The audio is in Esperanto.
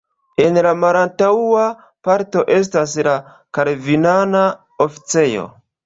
En la malantaŭa parto estas la kalvinana oficejo.